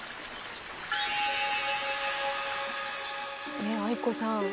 ねえ藍子さん